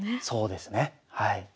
そうですねはい。